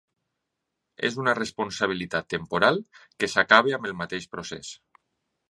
És una responsabilitat temporal que s’acaba amb el mateix procés.